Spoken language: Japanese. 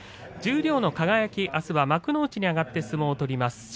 十両の輝、あすは幕内に上がって相撲を取ります。